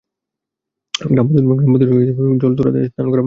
গ্রামবধূদের জল তোলা, স্নান করা প্রায় বন্ধ।